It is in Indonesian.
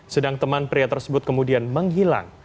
sedang teman pria tersebut kemudian menghilang